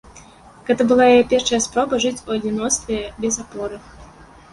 Гэта была яе першая спроба жыць у адзіноцтве без апоры.